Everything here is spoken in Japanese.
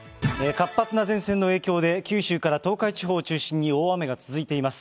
活発な前線の影響で、九州から東海地方を中心に、大雨が続いています。